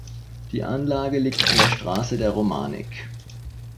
Die Anlage liegt an der Straße der Romanik.